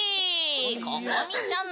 ここみちゃん。